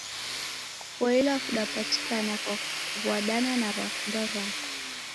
Kuboilwa kudapatikana kwa kuw'adana na w'akundwa w'ako.